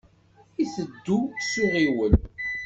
Iteddu s uɣiwel.